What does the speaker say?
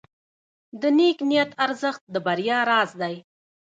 د نیک نیت ارزښت د بریا راز دی.